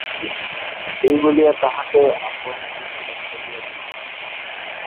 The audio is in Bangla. এই বলিয়া তাহাকে আপন গৃহ দেখাইয়া দিল।